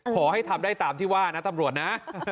ขอให้ทำได้ตามที่ว่านะตำรวจนะ